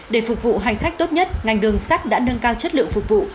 để phục vụ hành khách tốt nhất ngành đường sắt đã nâng cao chất lượng phục vụ